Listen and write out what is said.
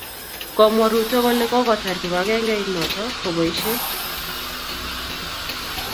Komwa Ruto kole kokotar kibangengeit noto koboishei